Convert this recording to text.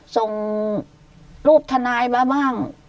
ส่งรูปทนายมาบ้าง